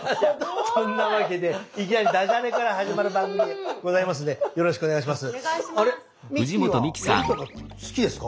そんなわけでいきなりダジャレから始まる番組でございますのでよろしくお願いします。